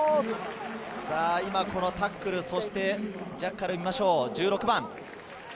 このタックル、そしてジャッカルを見ましょう、１６番。